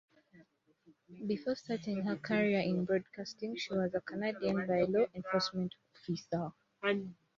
Before starting her career in broadcasting she was a Canadian By-Law Enforcement officer.